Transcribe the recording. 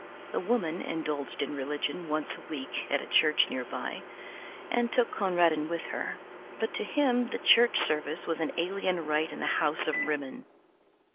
The Woman indulged in religion once a week at a church near by, and took Conradin with her, but to him the church service was an alien rite in the House of Rimmon.